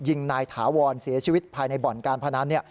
ยิงนายถาวรเสียชีวิตภายในบ่อนการพนัน